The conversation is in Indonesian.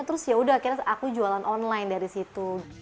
terus yaudah akhirnya aku jualan online dari situ